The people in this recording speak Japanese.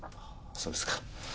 そうですか。